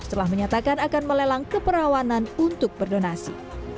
setelah menyatakan akan melelang keperawanan untuk berdonasi